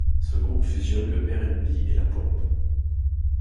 Ce groupe fusionne le R'n'B et la Pop.